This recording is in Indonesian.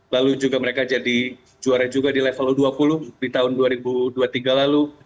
lalu juga mereka jadi juara juga di level u dua puluh di tahun dua ribu dua puluh tiga lalu